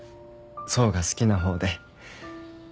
想が好きな方で。